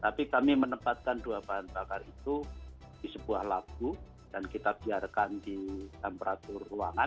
tapi kami menempatkan dua bahan bakar itu di sebuah lagu dan kita biarkan di temperatur ruangan